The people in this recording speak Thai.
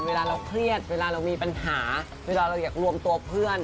เวลาเราเครียดเวลาเรามีปัญหาเวลาเราอยากรวมตัวเพื่อน